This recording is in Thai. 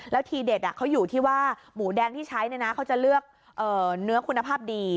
แล้วทีเด็ดเขาอยู่ที่ว่าหมูแดงที่ใช้เขาจะเลือกเนื้อคุณภาพดี